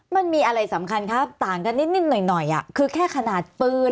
มันมีอะไรสำคัญครับต่างกันนิดหน่อยหน่อยคือแค่ขนาดปืน